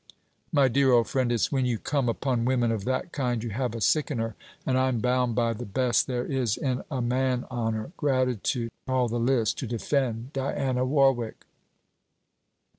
My dear old friend, it's when you come upon women of that kind you have a sickener. And I'm bound by the best there is in a man honour, gratitude, all the' list to defend Diana Warwick.'